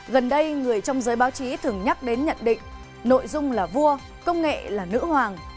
gần đây người trong giới báo chí thường nhắc đến nhận định nội dung là vua công nghệ là nữ hoàng